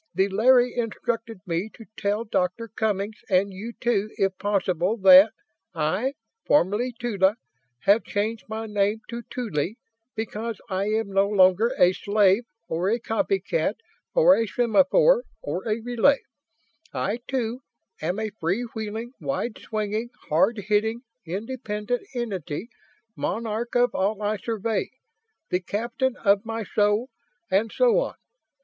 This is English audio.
The Larry instructed me to tell Doctor Cummings and you too if possible that I, formerly Tula, have changed my name to Tuly because I am no longer a slave or a copycat or a semaphore or a relay. I, too, am a free wheeling, wide swinging, hard hitting, independent entity monarch of all I survey the captain of my soul and so on.